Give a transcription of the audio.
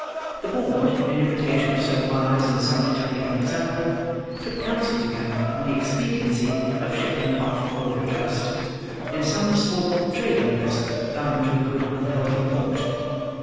The board, in imitation of so wise and salutary an example, took counsel together on the expediency of shipping off Oliver Twist, in some small trading vessel bound to a good unhealthy port.